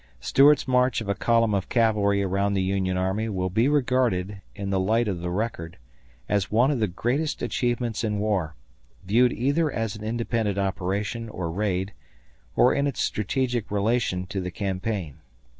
Stuart's march of a column of cavalry around the Union army will be regarded, in the light of the record, as one of the greatest achievements in war, viewed either as an independent operation or raid, or in its strategic relation to the campaign.